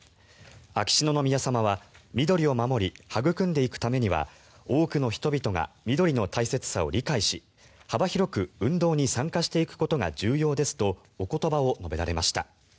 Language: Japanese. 秋篠宮さまは緑を守り、育んでいくためには多くの人々が緑の大切さを理解し幅広く運動に参加していくことが重要ですとお言葉を述べられました。